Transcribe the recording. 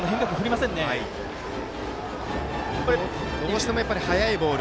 ２人がどうしても速いボール。